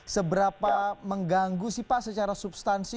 seberapa mengganggu sih pak secara substansi